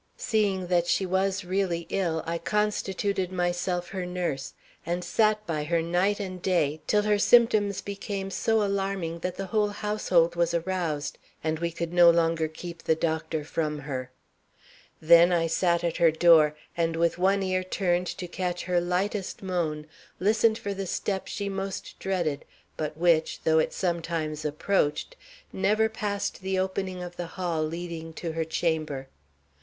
Seeing that she was really ill, I constituted myself her nurse, and sat by her night and day till her symptoms became so alarming that the whole household was aroused and we could no longer keep the doctor from her. Then I sat at her door, and with one ear turned to catch her lightest moan, listened for the step she most dreaded, but which, though it sometimes approached, never passed the opening of the hall leading to her chamber.